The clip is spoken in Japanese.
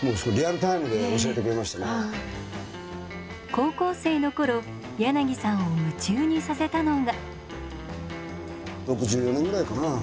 高校生の頃柳さんを夢中にさせたのが。